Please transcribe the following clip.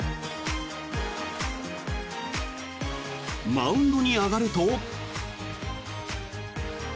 マウンドに上がると。